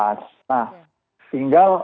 nah hingga kalau membuktikan ya memang sulit